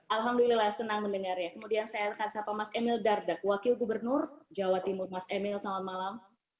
alhamdulillah senang mendengar ya kemudian saya akan sapa mas emil dardak wakil gubernur jawa timur mas emil selamat malam